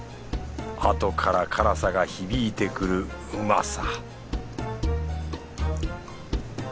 あとから辛さが響いてくるうまさ